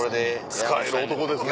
使える男ですね。